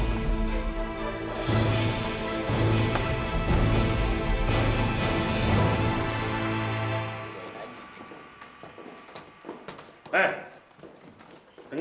dia memang sudah ke chemistry school